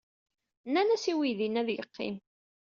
Nnan-as i weydi-nni ad yeqqim.